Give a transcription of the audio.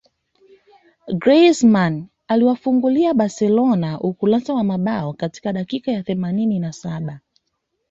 Griezmann aliwafungulia Barcelona ukurasa wa mabao katika dakika ya thelathini na saba